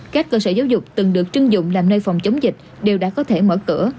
các cơ sở giáo dục từng được chưng dụng làm nơi phòng chống dịch đều đã có thể mở cửa